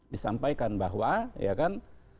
disampaikan bahwa ya kan